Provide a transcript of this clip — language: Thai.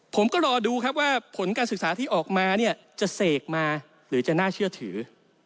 ผมก็รอดูครับว่าผลการศึกษาที่ออกมาเนี่ยจะเสกมาหรือจะน่าเชื่อถือ